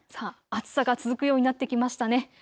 暑さが続くようになってきましたね。